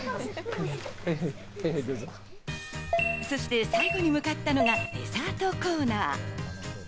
そして最後に向かったのがデザートコーナー。